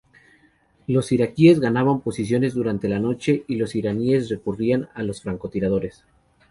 Los iraquíes ganaban posiciones durante la noche y los iraníes recurrían a los francotiradores.